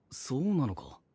そうなのか？